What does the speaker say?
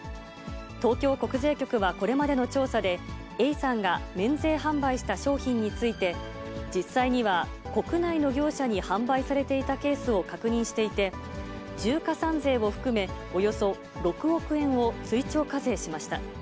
東京国税局はこれまでの調査で、永山が免税販売した商品について、実際には国内の業者に販売されていたケースを確認していて、重加算税を含め、およそ６億円を追徴課税しました。